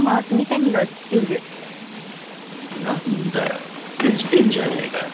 何だよできてんじゃねえかよ。